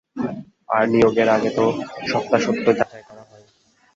আর নিয়োগের আগে তো সত্যাসত্য যাচাই করা হয়ই।